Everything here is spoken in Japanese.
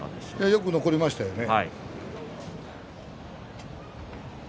よく残りましたね。